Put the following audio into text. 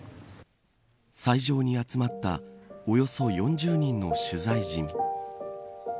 斎場に集まったおよそ４０人の取材陣。